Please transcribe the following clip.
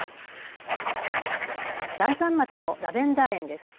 嵐山町のラベンダー園です。